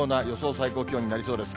最高気温になりそうです。